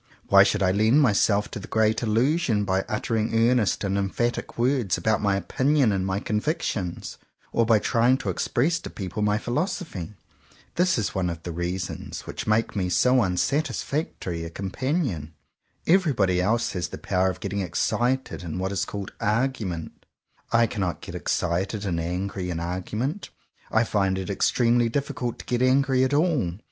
Why should I lend myself to the great Illusion by uttering earnest and emphatic words about my opinions and my convictions, or by trying to express to people my philos ophy? This is one of the reasons which make me so unsatisfactory a companion. Everybody else has the power of getting excited in what is called "argument." I cannot get excited and angry in argument. I find it extremely difficult to get angry at all.